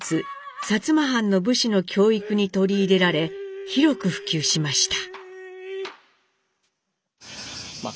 薩摩藩の武士の教育に取り入れられ広く普及しました。